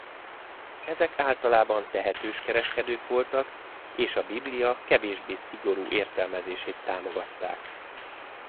Ezek általában tehetős kereskedők voltak és a Biblia kevésbé szigorú értelmezését támogatták.